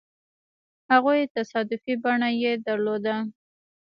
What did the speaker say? هغو تصادفي بڼه يې درلوده.